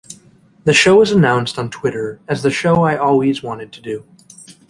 The show was announced on Twitter as the show I always wanted to do.